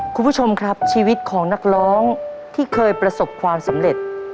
คุณผู้ชมครับชีวิตของนักร้องที่เคยประสบความสำเร็จ